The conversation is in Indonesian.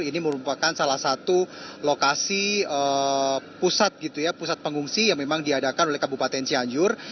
ini merupakan salah satu lokasi pusat pengungsi yang memang diadakan oleh kabupaten cianjur